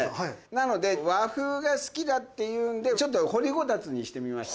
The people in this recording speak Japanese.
なので和風が好きだっていうんで掘りゴタツにしてみました。